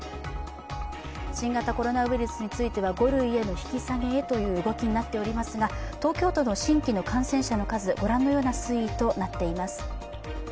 新型コロナウイルスについては５類への引き下げへという動きになっていますが東京都の新規の感染者、ご覧のような推移となっています。